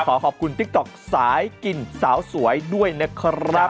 ขอขอบคุณติ๊กต๊อกสายกินสาวสวยด้วยนะครับ